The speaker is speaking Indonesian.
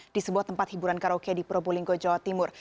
di sebuah tempat hiburan karaoke di probolinggo jawa timur